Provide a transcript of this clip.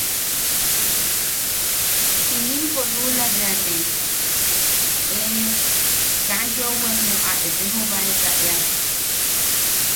Jinimpo lula bea ne ¡e... kaa yoʼowemmeu a etejobaeka ea!